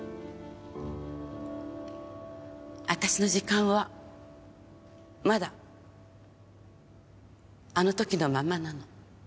私の時間はまだあの時のままなの。